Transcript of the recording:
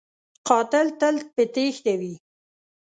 قاتل تل په تیښته وي